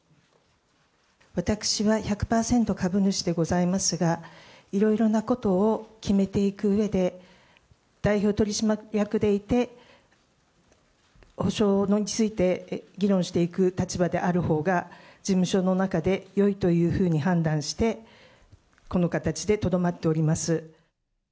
私は１００％株主でございますが、いろいろなことを決めていくうえで、代表取締役でいて、補償について議論していく立場であるほうが、事務所の中でよいというふうに判断して、この形でとどまっております。